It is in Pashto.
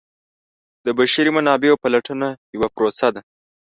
د بشري منابعو پلټنه یوه پروسه ده.